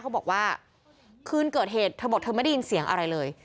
บอกว่าคืนเกิดเหตุเธอบอกเธอไม่ได้ยินเสียงอะไรเลย